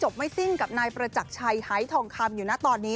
ไม่สิ้นกับนายประจักรชัยหายทองคำอยู่นะตอนนี้